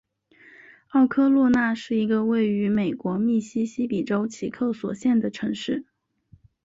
奥科洛纳是一个位于美国密西西比州奇克索县的城市。